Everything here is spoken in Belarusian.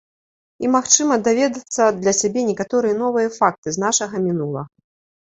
І, магчыма, даведацца для сябе некаторыя новыя факты з нашага мінулага.